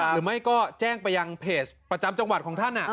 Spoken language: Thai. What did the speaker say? หรือไม่ก็แจ้งไปยังเพจประจำจังหวัดของท่าน